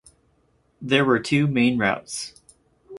There were two main routes.